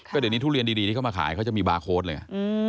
ก็เดี๋ยวนี้ทุเรียนดีที่เขามาขายเขาจะมีบาร์โค้ดเลยไง